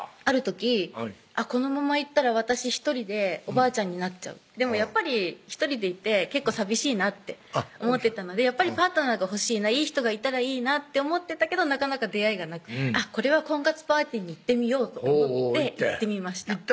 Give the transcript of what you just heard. ある時このままいったら私独りでおばあちゃんになっちゃうでもやっぱり独りでいて結構寂しいなって思ってたのでやっぱりパートナーが欲しいないい人がいたらいいなって思ってたけど出会いがなくこれは婚活パーティに行ってみようと思って行ってみました